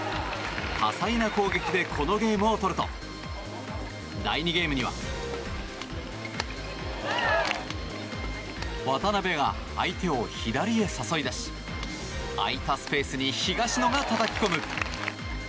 多彩な攻撃でこのゲームを取ると第２ゲームには渡辺が相手を左へ誘い出し空いたスペースに東野がたたき込む。